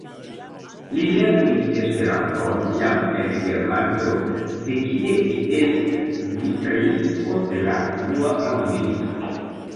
Li lernis Esperanton jam en Germanio, de kie li elmigris post la Unua mondmilito.